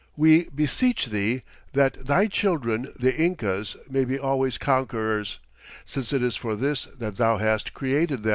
We beseech thee that thy children the Incas may be always conquerors, since it is for this that thou hast created them."